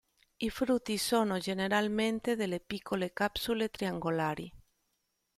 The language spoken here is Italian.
I frutti sono generalmente delle piccole capsule triangolari.